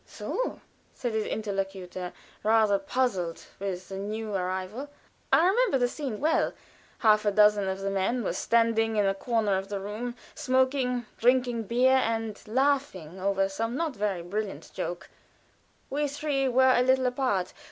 "So!" said his interlocutor, rather puzzled with the new arrival. I remember the scene well. Half a dozen of the men were standing in one corner of the room, smoking, drinking beer, and laughing over some not very brilliant joke; we three were a little apart.